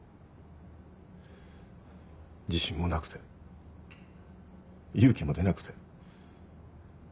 自信もなくて勇気も出なくて。